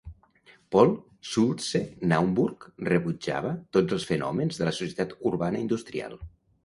Paul Schultze-Naumburg rebutjava tots els fenòmens de la societat urbana industrial.